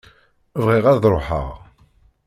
Bɣiɣ ad ruḥeɣ.